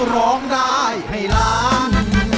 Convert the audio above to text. ร้องดายให้ราน